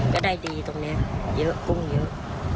ได้ดีตรงนี้เยอะกุ้งเยอะ